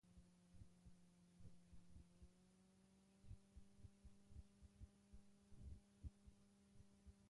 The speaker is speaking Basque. Ezbeharraren unean gidaria baino ez zihoan autobusean eta onik atera da.